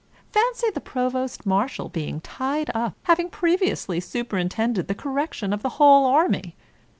Fancy the provost marshal being tied up, having previously superintended the correction of the whole army.